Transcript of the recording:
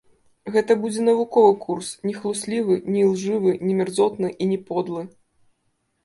Гэта будзе навуковы курс, не хлуслівы, не ілжывы, не мярзотны і не подлы.